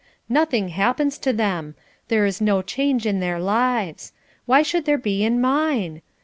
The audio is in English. Nothing happens to them. There is no change in their lives. Why should there be in mine?